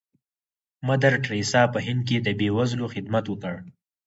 مدر ټریسا په هند کې د بې وزلو خدمت وکړ.